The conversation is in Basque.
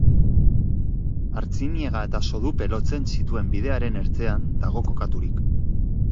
Artziniega eta Sodupe lotzen zituen bidearen ertzean dago kokaturik.